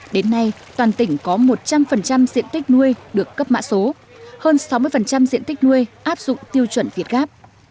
đến nay toàn tỉnh có một trăm linh diện tích nuôi được cấp mã số hơn sáu mươi diện tích nuôi áp dụng tiêu chuẩn việt gáp